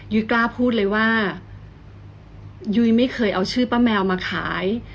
กล้าพูดเลยว่ายุ้ยไม่เคยเอาชื่อป้าแมวมาขาย